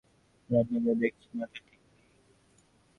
আর আপনাদেরও দেখছি মাথার ঠিক নেই।